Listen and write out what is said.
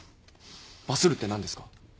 バスるって何ですか？